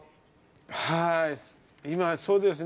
はい、そうですね。